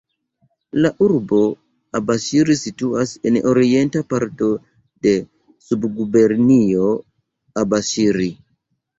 La urbo Abaŝiri situas en orienta parto de Subgubernio Abaŝiri.